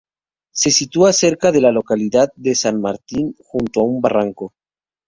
Se sitúan cerca de la localidad de San Martín, junto a un barranco.